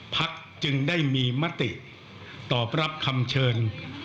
พักจึงได้มีมติตอบรับคำเชิญ